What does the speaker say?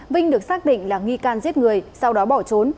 vinh được xác định là nghi can giết người sau đó bỏ trốn